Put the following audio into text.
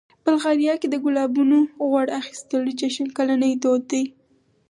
بلغاریا کې د ګلابونو غوړ اخیستلو جشن کلنی دود دی.